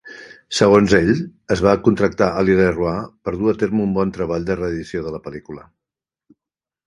Segons ell, es va contractar Ali LeRoi per dur a terme un bon treball de reedició de la pel·lícula.